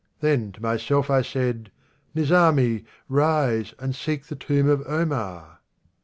Then to myself I said, " Nizami, rise And seek the tomb of Omar."